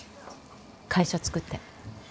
会社作って。